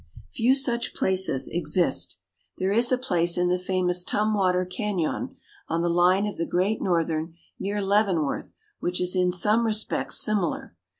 Few such places exist. There is a place in the famous Tumwater Cañon, on the line of the Great Northern, near Leavenworth, which is in some respects similar.